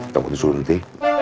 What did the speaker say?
tunggu disuruh nanti